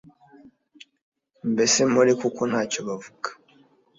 Mbese mpore kuko nta cyo bavuga